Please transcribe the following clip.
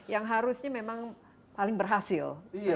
yang harusnya memang paling berhasil